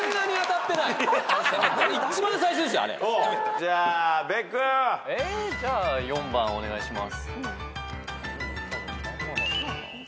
じゃあ阿部君。じゃあ４番お願いします。